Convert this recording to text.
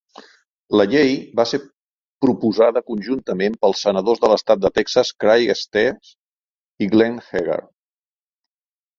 La llei va ser proposada conjuntament pels senadors de l'estat de Texas Craig Estes i Glenn Hegar.